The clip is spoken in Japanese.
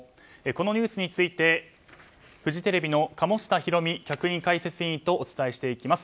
このニュースについてフジテレビ鴨下ひろみ客員解説委員とお伝えしていきます。